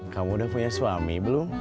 kamu udah punya suami belum